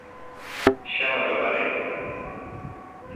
Xa o atoparei.